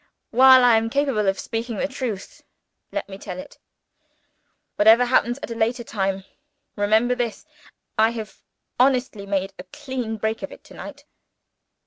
While I am capable of speaking the truth, let me tell it. Whatever happens at a later time remember this, I have honestly made a clean breast of it to night."